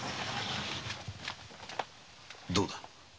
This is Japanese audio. どうだ？